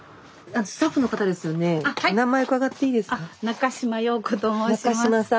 中島洋子と申します。